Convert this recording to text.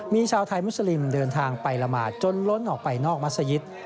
มีชาวไทยมุสลิมเดินทางไปละหมาดจนล้นออกไปนอกมัศยิต